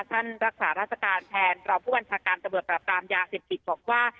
ท่านรักษาราชการแทนรองผู้บัญชาการตำรวจปราบรามยาเสพติดบอกว่า